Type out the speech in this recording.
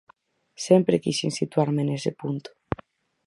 Sempre quixen situarme nese punto.